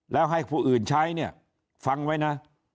แล้วให้ผู้อื่นใช้เนี่ยฟังไว้นะ